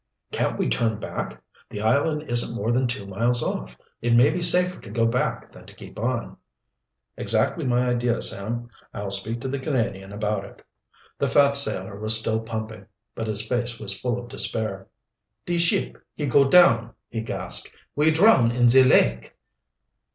"Can't we turn back? The island isn't more than two miles off. It may be safer to go back than to keep on." "Exactly my idea, Sam. I'll speak to the Canadian about it." The fat sailor was still pumping, but his face was full of despair. "De ship he go down," he gasped. "We drown in ze lake!"